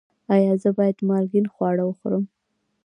ایا زه باید مالګین خواړه وخورم؟